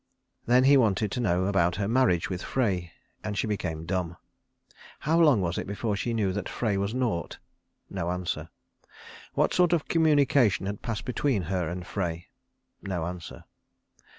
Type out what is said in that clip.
Then he wanted to know about her marriage with Frey, and she became dumb. How long was it before she knew that Frey was nought? No answer. What sort of communication had passed between her and Frey? No answer.